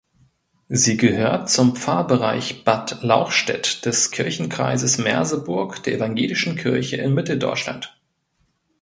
Sie gehört zum Pfarrbereich Bad Lauchstädt des Kirchenkreises Merseburg der Evangelischen Kirche in Mitteldeutschland.